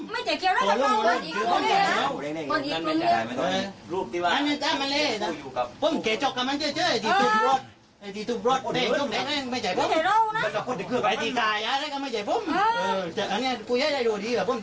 รูปที่บ้านอยู่กับผมเกะจกกับมันเจ้าเจ้าไอ้ที่ตุ๊บรถ